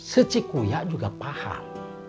seciku ya juga paham